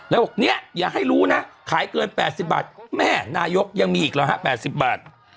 แล้วบอกเนี่ยอย่าให้รู้นะขายเกิน๘๐บาทแม่นายกยังมีอีกเหรอฮะ๘๐บาท